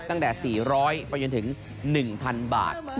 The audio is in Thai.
ตั้งแต่๔๐๐ไปจนถึง๑๐๐๐บาท